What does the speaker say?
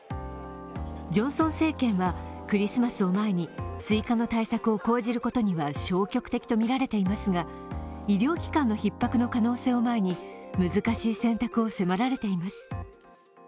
ジョンソン政権は、クリスマスを前に追加の対策を講じることには消極的とみられていますが、医療機関のひっ迫の可能性を前に難しい選択を迫られています。